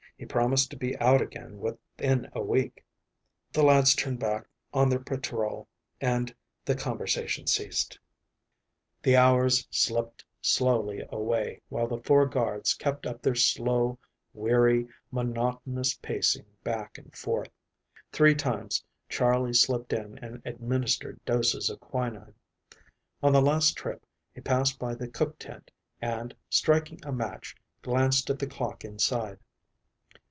He promised to be out again within a week." The lads turned back on their patrol and the conversation ceased. The hours slipped slowly away while the four guards kept up their slow, weary, monotonous pacing back and forth. Three times Charley slipped in and administered doses of quinine. On the last trip he passed by the cook tent and, striking a match, glanced at the clock inside.